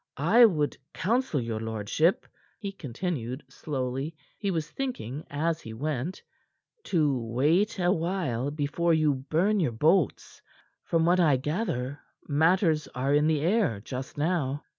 I would counsel your lordship," he continued slowly he was thinking as he went "to wait a while before you burn your boats. From what I gather, matters are in the air just now."